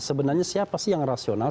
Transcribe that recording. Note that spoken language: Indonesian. sebenarnya siapa sih yang rasional